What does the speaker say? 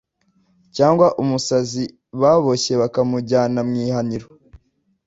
cyangwa umusazi baboshye bakamujyana mu ihaniro